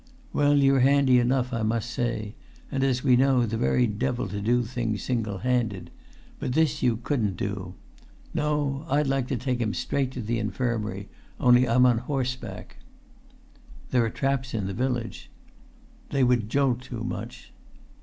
"Well, you're handy enough, I must say; and, as we know, the very devil to do things single handed; but this you couldn't do. No, I'd like to take him straight to the infirmary, only I'm on horseback." "There are traps in the village." "They would jolt too much."